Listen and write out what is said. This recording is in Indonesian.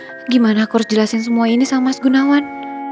bagaimana aku harus jelaskan semua ini kepada mas gunawan